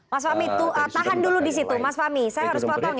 mas fahmi tahan dulu di situ mas fahmi saya harus potong ya